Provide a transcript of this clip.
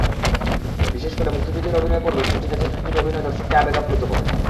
বিশেষ করে মুক্তিযুদ্ধের অভিনয় পর্বে সঞ্চিতা চ্যাটার্জির অভিনয় দর্শককে আবেগে আপ্লুত করে।